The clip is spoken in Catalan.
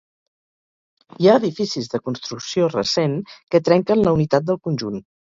Hi ha edificis de construcció recent que trenquen la unitat del conjunt.